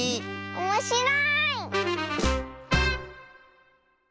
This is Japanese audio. おもしろい！